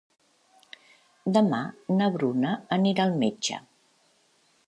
Demà na Bruna anirà al metge.